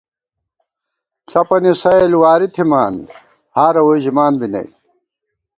ݪَپَنی سَئیل واری تھِمان ہارہ ووئی ژِمان بی نئ